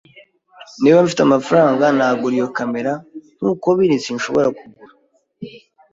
Niba mfite amafaranga, nagura iyo kamera. Nkuko biri, sinshobora kugura.